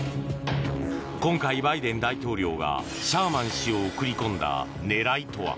今回、バイデン大統領がシャーマン氏を送り込んだ狙いとは。